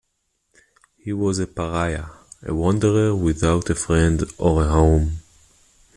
He was a pariah; a wanderer without a friend or a home.